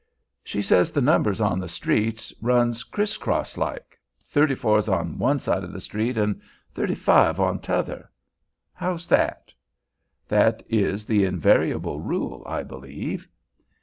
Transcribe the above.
"She says the numbers on the streets runs criss cross like. Thirty four's on one side o' the street an' thirty five on t'other. How's that?" "That is the invariable rule, I believe."